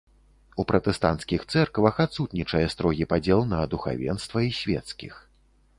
У пратэстанцкіх цэрквах адсутнічае строгі падзел на духавенства і свецкіх.